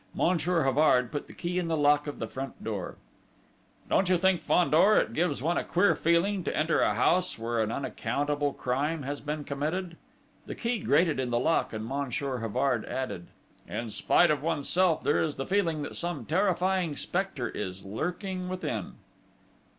Monsieur Havard put the key in the lock of the front door. "Don't you think, Fandor, it gives one a queer feeling to enter a house where an unaccountable crime has been committed?" The key grated in the lock, and Monsieur Havard added: "In spite of oneself, there is the feeling that some terrifying spectre is lurking within!"